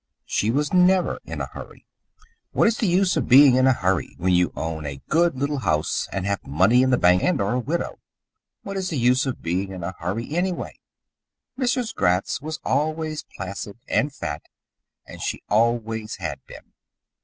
She was never in a hurry. What is the use of being in a hurry when you own a good little house and have money in the bank and are a widow? What is the use of being in a hurry, anyway? Mrs. Gratz was always placid and fat, and she always had been.